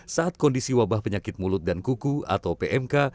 saat kondisi wabah penyakit mulut dan kuku atau pmk